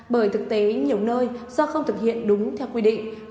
bởi thực tế nhiều nơi do không thực hiện đúng theo quy định